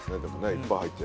いっぱい入って。